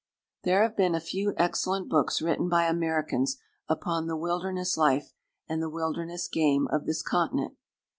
There have been a few excellent books written by Americans upon the wilderness life and the wilderness game of this continent.